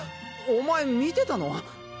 お前見てたの？